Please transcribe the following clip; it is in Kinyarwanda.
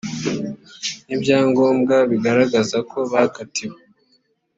n ibyangombwa bigaragaza ko bakatiwe